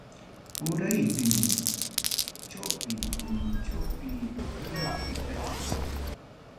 Uraypim, chawpi punchawpi inti kachkan.